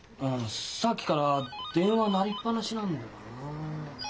☎さっきから電話鳴りっ放しなんだよな。